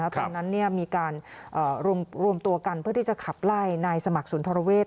ตอนนั้นมีการรวมตัวกันเพื่อที่จะขับไล่นายสมัครสุนทรเวศ